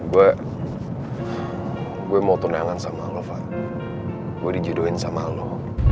gue gue mau tunangan sama lo fah gue dijaduin sama lo